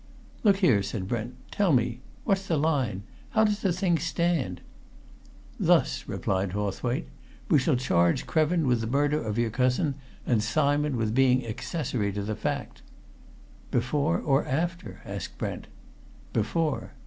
"Look here," said Brent, "tell me what's the line? How does the thing stand?" "Thus," replied Hawthwaite. "We shall charge Krevin with the murder of your cousin, and Simon with being accessory to the fact." "Before or after?" asked Brent. "Before!"